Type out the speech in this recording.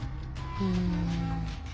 うん。